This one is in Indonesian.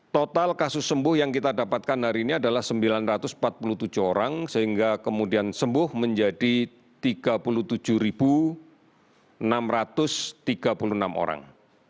total kasus sembuh yang kita dapatkan hari ini adalah sembilan ratus empat puluh tujuh orang sehingga kemudian sembuh menjadi tiga puluh tujuh enam ratus tiga puluh enam orang